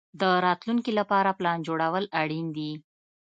د راتلونکي لپاره پلان جوړول اړین دي.